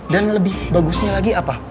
dan lebih bagusnya lagi apa